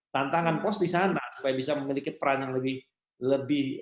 tantangan pos di sana supaya bisa memiliki peran yang lebih